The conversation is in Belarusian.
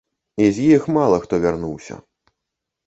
І з іх мала хто вярнуўся.